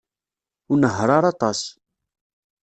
Ur nnehheṛ ara aṭas.